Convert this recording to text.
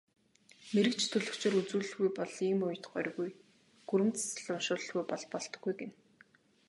Мэргэч төлгөчөөр үзүүлэлгүй бол ийм үед горьгүй, гүрэм засал уншуулалгүй бол болдоггүй гэнэ.